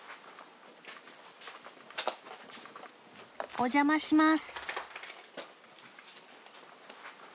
お邪魔します。